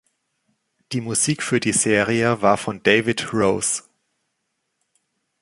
Die Musik für die Serie war von David Rose.